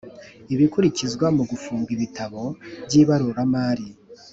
Ibikurikizwa mu gufunga ibitabo by ibaruramari